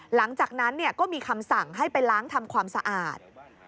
หลังจากนั้นก็มีคำสั่งให้ไปล้างทำความสะอาด